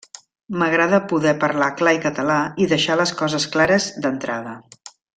M'agrada poder parlar clar i català i deixar les coses clares d'entrada.